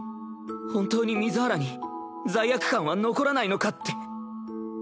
本当に水原に罪悪感は残らないのかって。